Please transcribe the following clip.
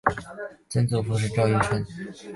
曾祖父赵愈胜。